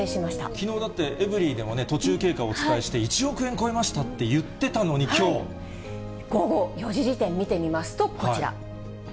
きのうだって、エブリィでも途中経過をお伝えして、１億円超えましたって言って午後４時時点見てみますと、こちら。